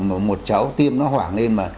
mà một cháu tiêm nó hoảng lên mà